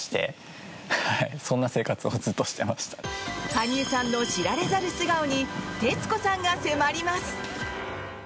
羽生さんの知られざる素顔に徹子さんが迫ります。